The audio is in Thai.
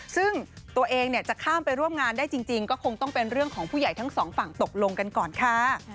ซึ่งตัวเองจะข้ามไปร่วมงานได้จริงก็คงต้องเป็นเรื่องของผู้ใหญ่ทั้งสองฝั่งตกลงกันก่อนค่ะ